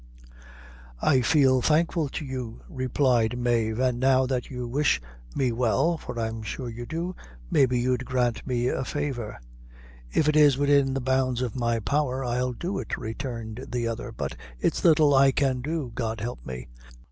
"I feel thankful to you," replied Mave; "and now that you wish me well, (for I'm sure you do,) maybe you'd grant me a favor?" "If it is widin the bounds of my power, I'll do it," returned the other; "but it's little I can do, God help me."